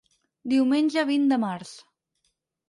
Diumenge vint de març.